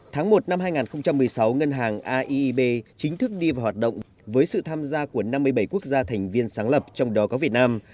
tháng một năm hai nghìn một mươi sáu ngân hàng aib chính thức đi vào hoạt động với sự tham gia của năm mươi bảy quốc gia thành viên sáng lập trong đó có việt nam